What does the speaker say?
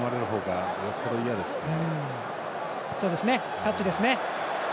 タッチですね。